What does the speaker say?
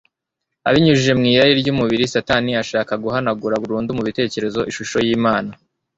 Abinyujije mw'irari ry'umubiri, Satani ashaka guhanagura burundu mu bitekerezo ishusho y'Imana.